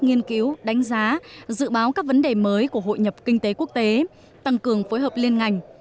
nghiên cứu đánh giá dự báo các vấn đề mới của hội nhập kinh tế quốc tế tăng cường phối hợp liên ngành